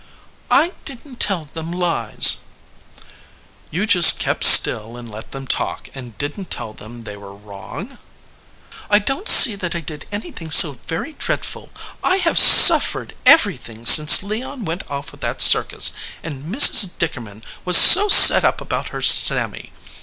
"I didn t tell them lies." 12 169 EDGEWATER PEOPLE "You just kept still and let them talk, and didn t tell them they were wrong?" "I don t see that I did anything so very dread ful. I have suffered everything since Leon went off with that circus, and Mrs. Dickerman was so set up about her Sammy.